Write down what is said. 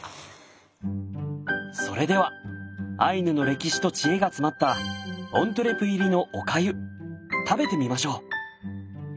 それではアイヌの歴史と知恵が詰まったオントゥレ入りのお粥食べてみましょう！